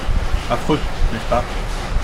Affreux, n’est-ce pas ?